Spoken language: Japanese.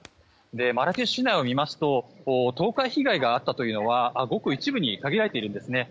マラケシュ市内を見ますと倒壊被害があったのはごく一部に限られているんですね。